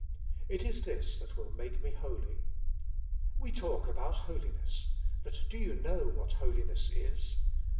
It is this that will make me holy. We talk about holiness, but do you know what holi ness is?